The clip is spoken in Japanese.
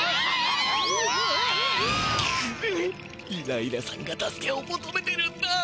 ライラさんが助けをもとめてるんだ！